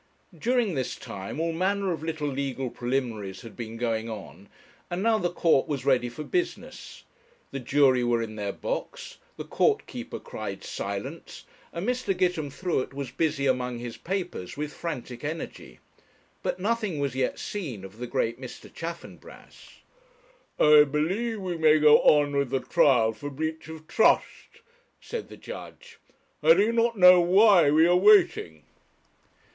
During this time all manner of little legal preliminaries had been going on; and now the court was ready for business; the jury were in their box, the court keeper cried silence, and Mr. Gitemthruet was busy among his papers with frantic energy. But nothing was yet seen of the great Mr. Chaffanbrass. 'I believe we may go on with the trial for breach of trust,' said the judge. 'I do not know why we are waiting.'